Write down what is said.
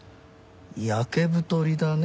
焼け太りだね